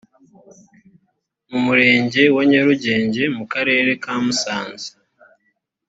mu murenge wa nyarugenge mu karere ka musanze